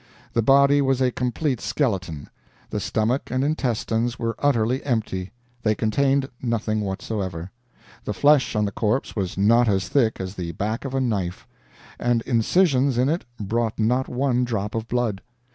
The body was a complete skeleton. The stomach and intestines were utterly empty; they contained nothing whatsoever. The flesh on the corpse was not as thick as the back of a knife, and incisions in it brought not one drop of blood.